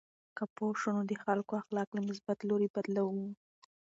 که پوه شو، نو د خلکو اخلاق له مثبت لوري بدلوو.